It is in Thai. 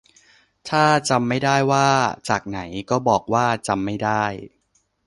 ถ้าจำไม่ได้ว่าจากไหน ก็บอกว่าจำไม่ได้